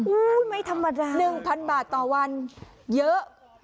ไม่ธรรมดา๑๐๐บาทต่อวันเยอะ